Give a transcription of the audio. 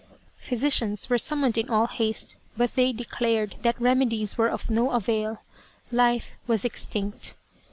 Physicians were summoned in all haste, but they declared that remedies were of no avail life was extinct.